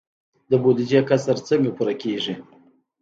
د بودیجې کسر څنګه پوره کیږي؟